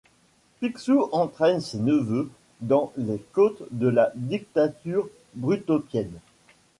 Picsou entraîne ses neveux dans les côtes de la dictature brutopienne.